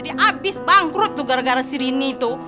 dari mana itu